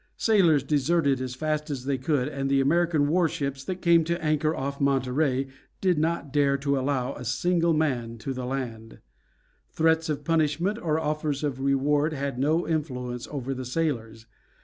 Sailors deserted as fast as they could, and the American war ships that came to anchor off Monterey did not dare to allow a single man to land. Threats of punishment or offers of reward had no influence over the sailors.